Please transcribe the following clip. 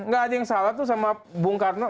enggak ada yang salah itu sama bung karno